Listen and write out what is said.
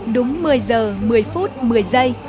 đúng một mươi phút một mươi giây